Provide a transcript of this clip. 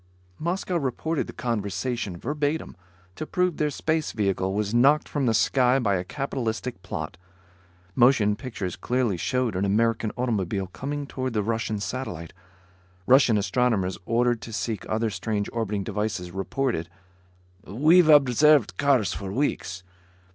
Moscow reported the conversation, verbatim, to prove their space vehicle was knocked from the sky by a capitalistic plot. Motion pictures clearly showed an American automobile coming toward the Russian satellite. Russian astronomers ordered to seek other strange orbiting devices reported: "We've observed cars for weeks.